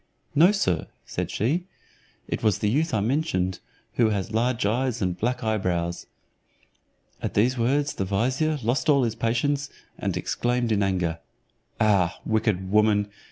"No, sir," said she, "it was the youth I mentioned, who has large eyes and black eyebrows." At these words the vizier. lost all patience, and exclaimed in anger, "Ah, wicked woman!